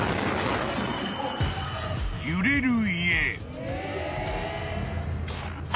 ［揺れる家］